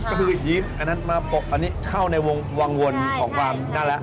ก็คือหีบอันนั้นมาปกอันนี้เข้าในวงของความน่ารัก